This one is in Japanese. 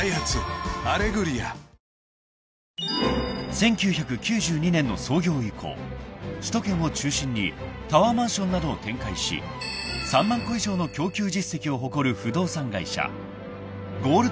［１９９２年の創業以降首都圏を中心にタワーマンションなどを展開し３万戸以上の供給実績を誇る不動産会社ゴールドクレスト］